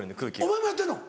お前もやってんの？